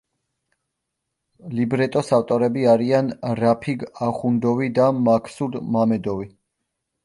ლიბრეტოს ავტორები არიან რაფიგ ახუნდოვი და მაქსუდ მამედოვი.